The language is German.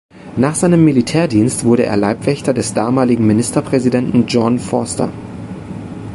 Nach seinem Militärdienst wurde er Leibwächter des damaligen Ministerpräsidenten John Vorster.